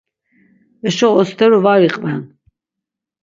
Eşo osteru var iqven.